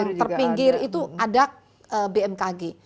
yang terpinggir itu ada bmkg